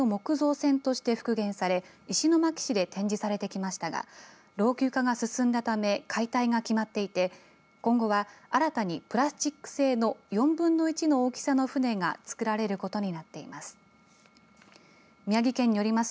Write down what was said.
この船は、平成５年に原寸大の木造船として復元され石巻市で展示されてきましたが老朽化が進んだため解体が決まっていて今後は新たにプラスチック製の４分の１の大きさの船が造られることになっています。